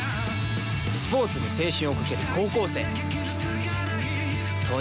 スポーツに青春をかける高校生。